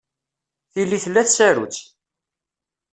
Tili tella tsarut.